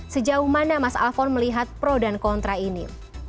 sejauh mana mas alphon melihat pro dan kontra ini